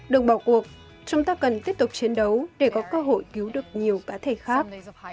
đừng bỏ cuộc chúng ta cần tiếp tục chiến đấu để có cơ hội cứu được nhiều cá thể khác